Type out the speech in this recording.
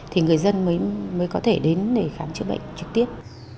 thì người dân mới có thể đến để khám chữa bệnh trực tiếp